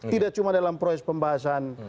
tidak cuma dalam proses pembahasan